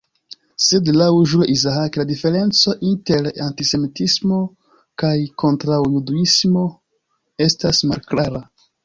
Sed laŭ Jules Isaac la diferenco inter "antisemitismo" kaj "kontraŭjudismo" estas malklara.